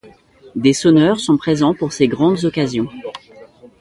Des sonneurs sont présents pour ces grandes occasions.